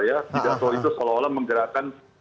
ya tidak soal itu seolah olah menggerakkan